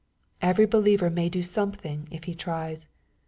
Every believer may do sometlomg if he tries.